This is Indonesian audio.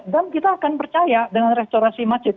dan kita akan percaya dengan restorasi masjid